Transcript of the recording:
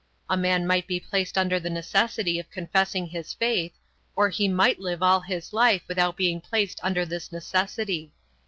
A man might be placed under the necessity of confessing his faith, or he might live all his life without being placed under this necessity.